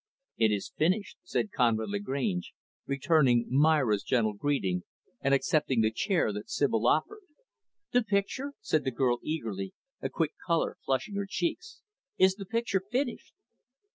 "It is finished," said Conrad Lagrange, returning Myra's gentle greeting, and accepting the chair that Sibyl offered. "The picture?" said the girl eagerly, a quick color flushing her cheeks. "Is the picture finished?"